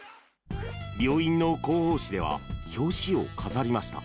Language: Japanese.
病院の広報誌では表紙を飾りました。